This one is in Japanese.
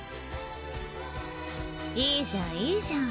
いいじゃんいいじゃん。